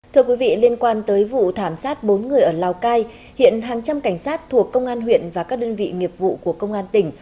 thưa quý vị liên quan tới vụ thảm sát bốn người ở lào cai hiện hàng trăm cảnh sát thuộc công an huyện và các đơn vị nghiệp vụ của công an tỉnh